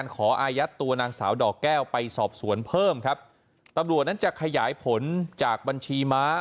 อายัดตัวนางสาวดอกแก้วไปสอบสวนเพิ่มครับตำรวจนั้นจะขยายผลจากบัญชีม้า